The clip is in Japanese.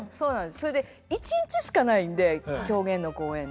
それで１日しかないんで狂言の公演て。